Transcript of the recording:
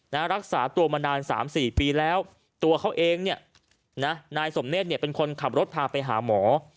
และรักษาตัวมานาน๓๔ปีแล้วตัวเขาเองเนี้ยนายสมเนธเนี่ยเป็นคนขับรถทางไปหามอ